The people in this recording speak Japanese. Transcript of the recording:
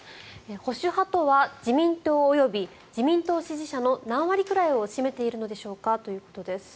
保守派とは自民党及び自民党支持者の何割ぐらいを占めているのでしょうか？ということです。